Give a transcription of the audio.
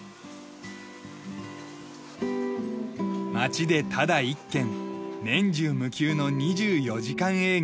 町でただ１軒年中無休の２４時間営業。